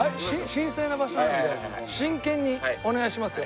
神聖な場所なので真剣にお願いしますよ。